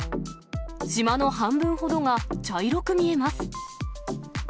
島の半分ほどが茶色く見えます。